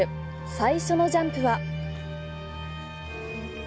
最初のジャンプは。